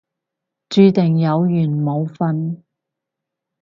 注定有緣冇瞓